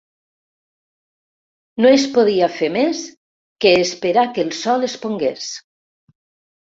No es podia fer més que esperar que el sol es pongués